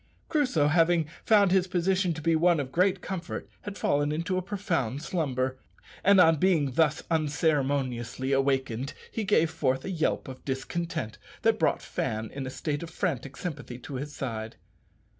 Crusoe having found his position to be one of great comfort had fallen into a profound slumber, and on being thus unceremoniously awakened he gave forth a yelp of discontent that brought Fan in a state of frantic sympathy to his side.